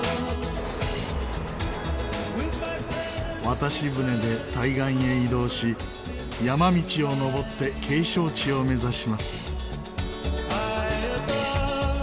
渡し船で対岸へ移動し山道を上って景勝地を目指します。